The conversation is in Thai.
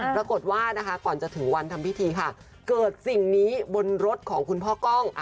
ปรากฏว่านะคะก่อนจะถึงวันทำพิธีค่ะเกิดสิ่งนี้บนรถของคุณพ่อกล้อง